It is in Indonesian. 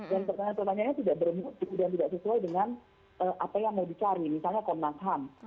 dan pertanyaannya tidak bermutu dan tidak sesuai dengan apa yang mau dicari misalnya komnas ham